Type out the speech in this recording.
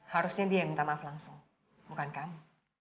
harusnya dia yang minta maaf langsung bukan kami